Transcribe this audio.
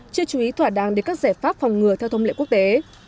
chưa chú ý thỏa đáng đến các giải pháp phòng ngừa theo thông lệ quốc tế